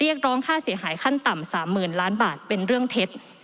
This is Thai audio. เรียกร้องค่าเสียหายขั้นต่ำ๓๐๐๐ล้านบาทเป็นเรื่องเท็จ